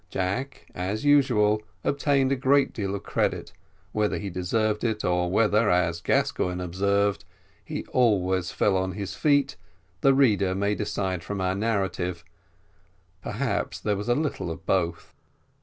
Jack, as usual, obtained a great deal of credit; whether he deserved it, or whether, as Gascoigne observed, he always fell upon his feet, the reader may decide from our narrative; perhaps there was a little of both.